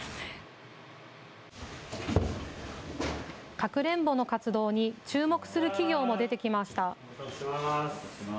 かくれんぼの活動に注目する企業も出てきました。